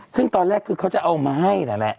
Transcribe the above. ซึ่งตอนแรกคือเขาจะเอามาให้นั่นแหละ